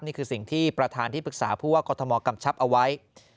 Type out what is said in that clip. นี่คือสิ่งที่ประธานที่ปรึกษาผู้ว่ากรทมกำชับเอาไว้